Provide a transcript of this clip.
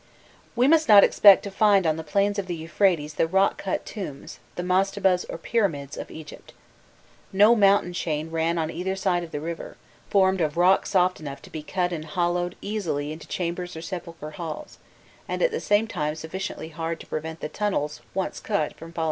We must not expect to find on the plains of the Euphrates the rock cut tombs, the mastabas or pyramids, of Egypt. No mountain chain ran on either side of the river, formed of rock soft enough to be cut and hollowed easily into chambers or sepulchral halls, and at the same time sufficiently hard to prevent the tunnels once cut from falling in.